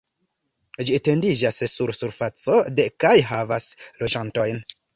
Ĝi etendiĝas sur surfaco de kaj havas loĝantojn.